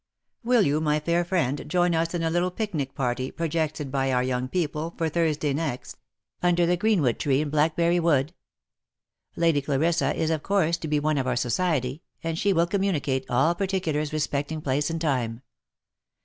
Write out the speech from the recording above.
" Will you, my fair friend, join us in a little pionic party, projected by our young people for Thursday next, ' under the green wood tree in Blackberry wood V Lady Clarissa is, of course, to be one of our society, and she will communicate all particulars respecting place and time.